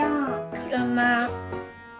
くるま。